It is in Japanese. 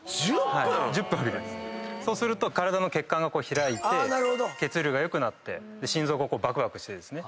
⁉そうすると体の血管が開いて血流が良くなって心臓がバクバクしてですね。